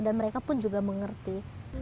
dan mereka pun juga mengerti